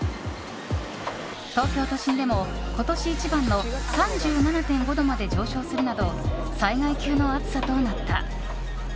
東京都心でも今年一番の３７．５度まで上昇するなど災害級の暑さとなった。